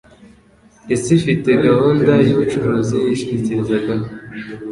Isi ifite gahunda y'ubucuruzi yishingikirizagaho